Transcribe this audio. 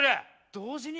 同時に？